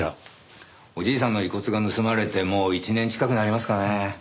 おじいさんの遺骨が盗まれてもう１年近くなりますかね。